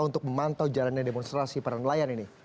untuk memantau jalannya demonstrasi peran layan ini